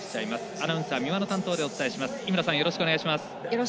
アナウンサー三輪の担当でお伝えします。